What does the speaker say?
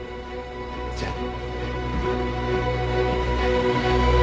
じゃあ。